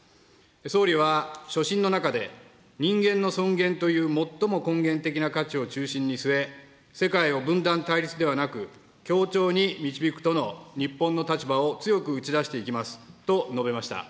総理は、所信の中で人間の尊厳という最も根源的な価値を中心に据え、世界を分断・対立ではなく、協調に導くとの日本の立場を強く打ち出していきますと述べました。